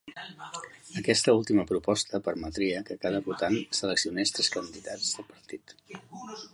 Aquesta última proposta permetria que cada votant seleccionés tres candidats del partit.